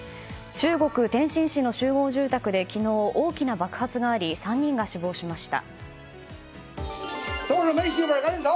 中国・天津市の集合住宅で昨日大きな爆発があり３人が死亡しました。